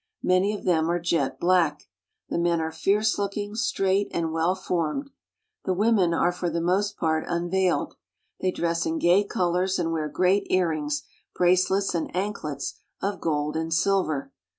Many of them are jet black. The men are fierce looking, straight, and well formed. The women are for ^3the most part nn 'eiled. They dress in colors and wear ■eat earrings, brace and anklets of " "gold and silver.